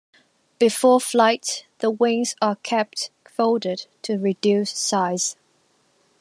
Before flight the wings are kept folded to reduce size.